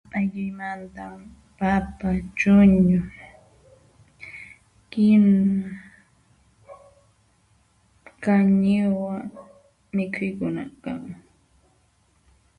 Aylluymanta: papa, chuñu, kinua, kañiwa mikhuykuna kan.